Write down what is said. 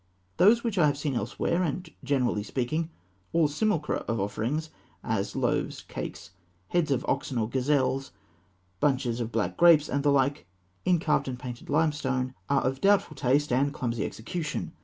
Those which I have seen elsewhere, and, generally speaking, all simulacra of offerings, as loaves, cakes, heads of oxen or gazelles, bunches of black grapes, and the like, in carved and painted limestone, are of doubtful taste and clumsy execution.